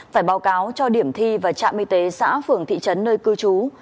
phải báo cáo cho điểm thi và trạm y tế xã phường thị trấn nơi cư trú